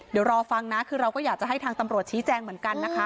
เดี๋ยวรอฟังนะคือเราก็อยากจะให้ทางตำรวจชี้แจงเหมือนกันนะคะ